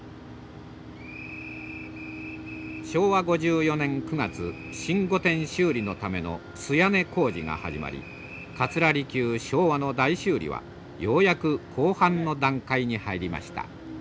昭和５４年９月新御殿修理のための素屋根工事が始まり桂離宮昭和の大修理はようやく後半の段階に入りました。